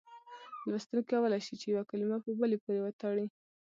لوستونکی کولای شي چې یوه کلمه په بلې پورې وتړي.